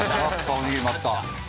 おにぎりもあった。